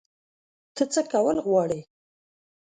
ته څه کول غواړې؟